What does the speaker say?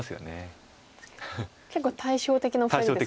結構対照的なお二人ですかね。